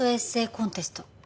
コンテスト